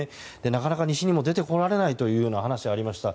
なかなか西にも出てこられないというような話もありました。